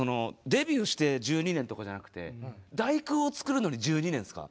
デビューして１２年とかじゃなくて「第９」をつくるのに１２年すか？